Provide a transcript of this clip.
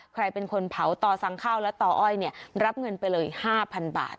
ใครเป็นคนเผาต่อสั่งข้าวและต่ออ้อยเนี่ยรับเงินไปเลย๕๐๐บาท